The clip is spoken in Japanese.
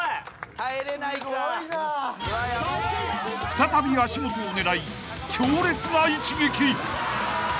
［再び足元を狙い強烈な一撃］